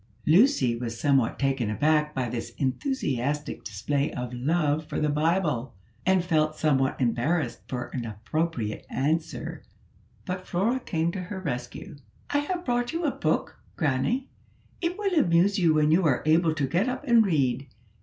Lucy was somewhat taken aback by this enthusiastic display of love for the Bible, and felt somewhat embarrassed for an appropriate answer; but Flora came to her rescue: "I have brought you a book, granny; it will amuse you when you are able to get up and read.